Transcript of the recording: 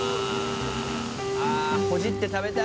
ああほじって食べたい。